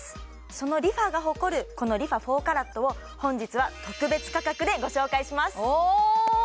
そのＲｅＦａが誇るこのＲｅＦａ４ＣＡＲＡＴを本日は特別価格でご紹介しますおお！